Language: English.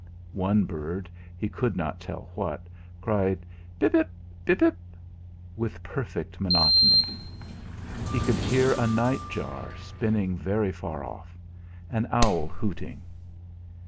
One bird, he could not tell what, cried "Pippip," "Pip pip," with perfect monotony; he could hear a night Jar spinning very far off; an owl hooting.